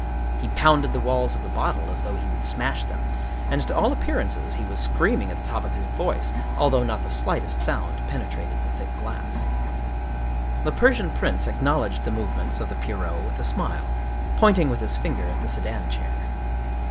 He pounded the walls of the bottle as though he would smash them; and to all appear ances he was screaming at the top of his voice, although not the slightest sound penetrated the thick glass. The Persian prince acknowledged the movements of the Pierrot with a smile, pointing with his finger at the sedan chair.